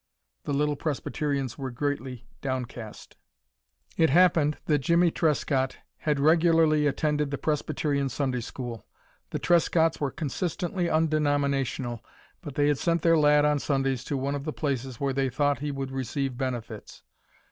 The little Presbyterians were greatly downcast. It happened that Jimmie Trescott had regularly attended the Presbyterian Sunday school. The Trescotts were consistently undenominational, but they had sent their lad on Sundays to one of the places where they thought he would receive benefits.